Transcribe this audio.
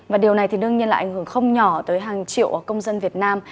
và điều này thì đương nhiên là ảnh hưởng không nhỏ tới hàng triệu công dân việt nam